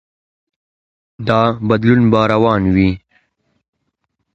دا بدلون به روان وي.